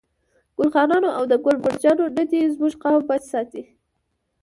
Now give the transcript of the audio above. ګل خانانو او ده ګل مرجانو نه دي زموږ قام بچ ساتي.